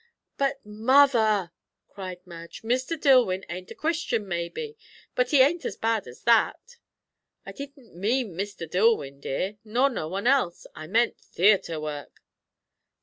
"But, mother!" cried Madge. "Mr. Dillwyn ain't a Christian, maybe, but he ain't as bad as that." "I didn't mean Mr. Dillwyn, dear, nor no one else. I meant theatre work."